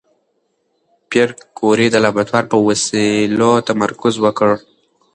پېیر کوري د لابراتوار په وسایلو تمرکز وکړ.